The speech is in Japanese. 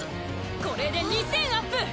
これで２０００アップ！